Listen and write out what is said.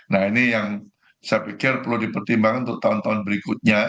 nah ini yang saya pikir perlu dipertimbangkan untuk tahun tahun berikutnya